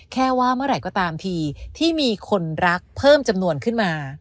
แค่ว่าเมื่อไหร่ก็ตามทีที่มีคนรักเพิ่มจำนวนขึ้นมา